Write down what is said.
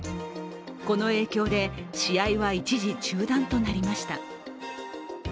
この影響で、試合は一時中断となりました。